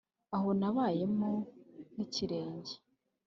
aho nabayemo nk'ikirenge